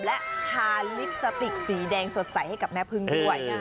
และทาลิปสติกสีแดงสดใสให้กับแม่พึ่งด้วย